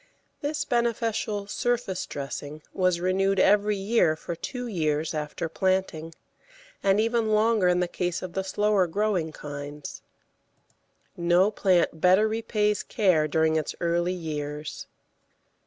This beneficial surface dressing was renewed every year for two years after planting, and even longer in the case of the slower growing kinds. No plant better repays care during its early years.